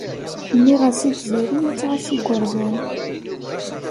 Nniɣ-as i Tiziri ad tɛass igerdan.